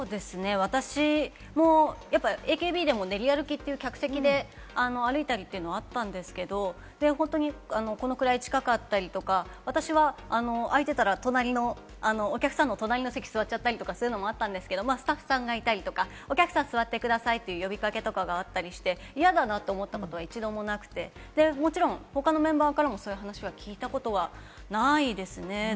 私もＡＫＢでも、練り歩きという客席で歩いたりというのがあったんですけど、このぐらい近かったりとか、私は空いてたら隣のお客さんの隣の席に座っちゃったりするのもあったんですけど、スタッフさんがいたりとか、お客さん座ってくださいって呼び掛けとかがあったりして、嫌だなと思ったことは一度もなくて、もちろん他のメンバーからもそういう話は聞いたことはないですね。